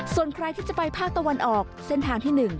ส่วนใครที่จะไปภาคตะวันออกเส้นทางที่๑